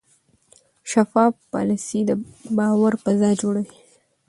شفاف پالیسي د باور فضا جوړوي.